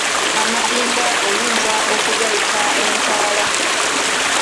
Amadinda oyinza okugayita entaala.